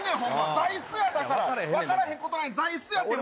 座いすや、だから。分からへんことない、座いすやから。